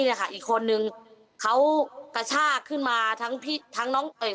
เนี้ยค่ะอีกคนนึงเขากระชากขึ้นมาทั้งพี่ทั้งน้องเอ่อ